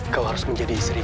kau harus menjadi istriku